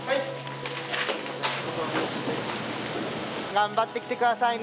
頑張ってきて下さいね。